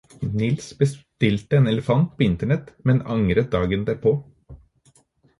Nils bestilte en elefant på Internett, men angret dagen derpå.